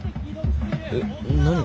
えっ何が？